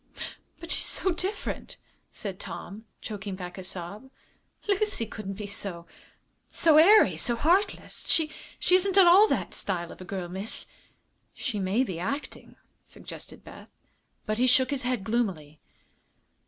"But she's so different," said Tom, choking back a sob. "Lucy couldn't be so so airy, so heartless. She isn't at all that style of a girl, miss." "She may be acting," suggested Beth. But he shook his head gloomily.